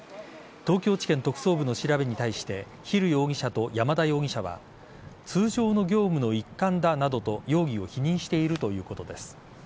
東京地検特捜部の調べに対してヒル容疑者と山田容疑者は通常の業務の一環だなどと容疑を否認しているということです。